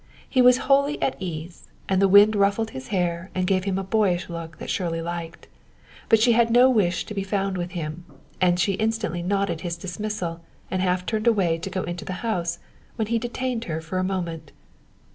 He was wholly at ease, and the wind ruffled his hair and gave him a boyish look that Shirley liked. But she had no wish to be found with him, and she instantly nodded his dismissal and half turned away to go into the house, when he detained her for a moment.